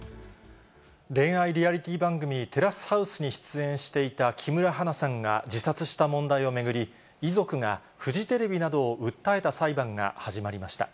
恋愛リアリティー番組、テラスハウスに出演していた木村花さんが自殺した問題を巡り、遺族がフジテレビなどを訴えた裁判が始まりました。